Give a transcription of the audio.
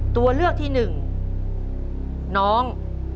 ตัวเลือกที่หนึ่งน้อง